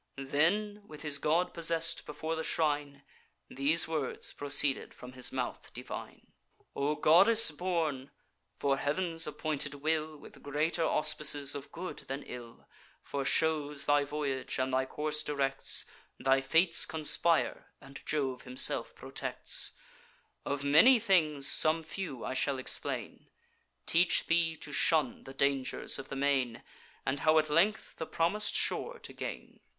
Then, with his god possess'd, before the shrine, These words proceeded from his mouth divine: 'O goddess born, (for Heav'n's appointed will, With greater auspices of good than ill, Foreshows thy voyage, and thy course directs; Thy fates conspire, and Jove himself protects,) Of many things some few I shall explain, Teach thee to shun the dangers of the main, And how at length the promis'd shore to gain.